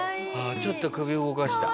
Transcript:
ちょっと首動かした。